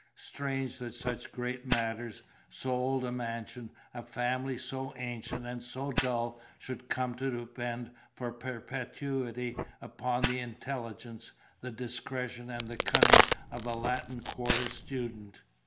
Strange that such great matters, so old a mansion, a family so ancient and so dull, should come to depend for perpetuity upon the intelligence, the discretion, and the cunning of a Latin Quarter student!